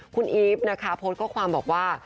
คุณอีฟนะคะโพสต์ข้อความบอกว่า